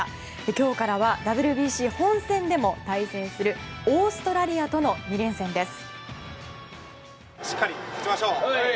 今日からはＷＢＣ本戦でも対戦するオーストラリアとの２連戦です。